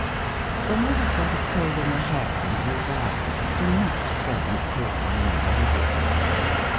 When you have got a cold in the head and weak eyes, do not go and call on young ladies.